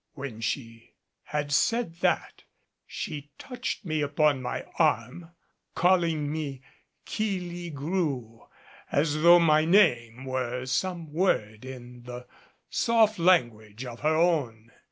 When she had said that, she touched me upon my arm calling me Keel ee gru as though my name were some word in the soft language of her own.